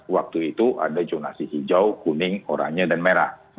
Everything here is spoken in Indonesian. waktu itu ada jonasi hijau kuning oranye dan merah